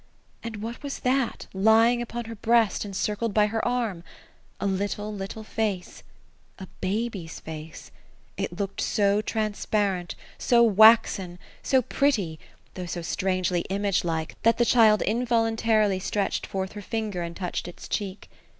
And what was that, lying upon her breast, encircled by her arm 1 A little, little face — a baby's face 1 Jt looked so transparent, so waxen, — ^so pretty, though so strangely image like, that the child invol antarily stretched forth her finger, and touched its cheek.